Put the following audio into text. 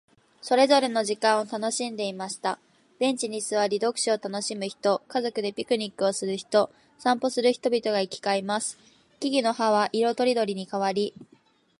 秋の夕暮れ、赤く染まる空と静かな風景が広がる公園で、人々はそれぞれの時間を楽しんでいました。ベンチに座り、読書を楽しむ人、家族でピクニックをする人、散歩する人々が行き交います。木々の葉は色とりどりに変わり、足元には枯葉が舞い、季節の移ろいを感じさせてくれます。